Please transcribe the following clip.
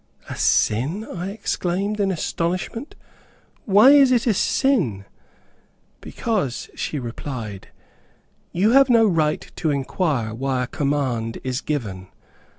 "A sin!" I exclaimed, in astonishment; "why is it a sin?" "Because," she replied, "you have no right to inquire why a command is given.